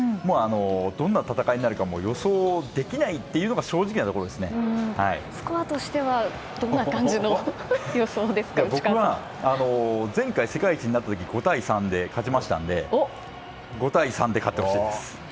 どんな戦いになるか予想できないというのがスコアとしては、どんな感じの僕は、前回世界一になった時に５対３で勝ちましたので５対３で勝ってほしいです。